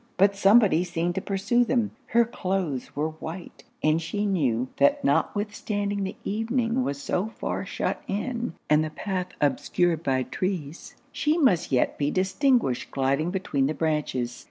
But somebody seemed to pursue them. Her cloaths were white; and she knew, that notwithstanding the evening was so far shut in, and the path obscured by trees, she must yet be distinguished gliding between their branches.